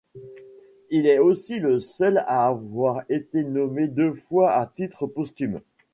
Il est aussi le seul à avoir été nommé deux fois à titre posthume.